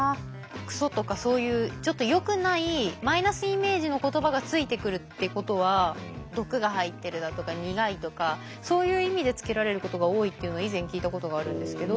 クソとかそういうちょっとよくないマイナスイメージの言葉がついてくるってことは毒が入ってるだとか苦いとかそういう意味でつけられることが多いっていうのは以前聞いたことがあるんですけど。